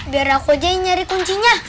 biar aku aja yang nyari kuncinya